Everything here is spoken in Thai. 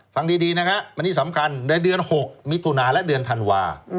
ฟังดีนะครับอันนี้สำคัญในเดือน๖มิถุนาและเดือนธันวา